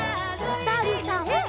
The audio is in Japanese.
おさるさん。